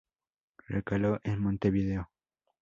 Recaló en Montevideo.